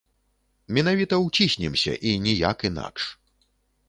Менавіта ўціснемся, і ніяк інакш.